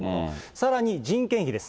さらに人件費です。